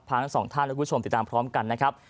ทั้งสองท่านและคุณผู้ชมติดตามพร้อมกันนะครับ